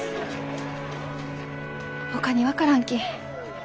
ほかに分からんき